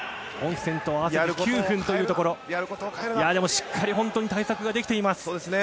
しっかり対策ができています。